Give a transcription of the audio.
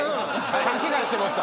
勘違いしてました。